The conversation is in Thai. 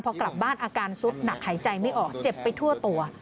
พอกลับบ้านอาการสุดหนักหายใจไม่ออกเจ็บไปทั่วตัว